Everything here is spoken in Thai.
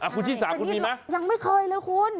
คุณชิสาคุณมีไหมยังไม่เคยเลยคุณ